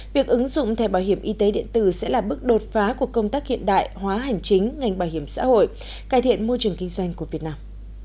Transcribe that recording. việc ứng dụng thẻ bảo hiểm y tế điện tử sẽ là bước đột phá của công tác hiện đại hóa hành chính ngành bảo hiểm xã hội cải thiện môi trường kinh doanh của việt nam